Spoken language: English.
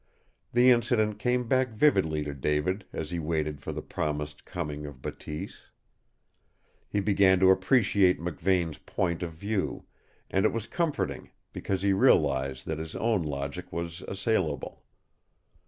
The incident came back vividly to David as he waited for the promised coming of Bateese. He began to appreciate McVane's point of view, and it was comforting, because he realized that his own logic was assailable.